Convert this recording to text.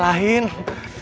nggak adil dong pak ustadz